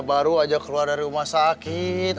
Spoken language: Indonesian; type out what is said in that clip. baru aja keluar dari rumah sakit